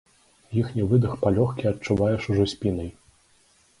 Іхні выдых палёгкі адчуваеш ужо спінай.